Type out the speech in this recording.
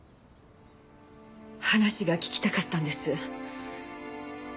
話が聞きたかったんです。